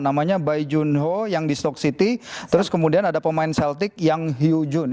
namanya bai junho yang di stock city terus kemudian ada pemain seltic yang hiu jun